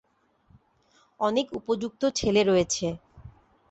অনেক উপযুক্ত ছেলে রয়েছে।